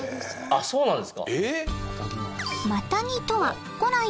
あっそうなんですか。